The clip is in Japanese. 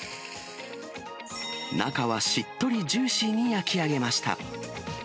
中はしっとりジューシーに焼き上げました。